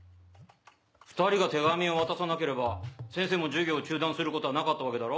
２人が手紙を渡さなければ先生も授業を中断することはなかったわけだろ？